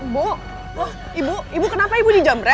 bu ibu kenapa ibu dijamret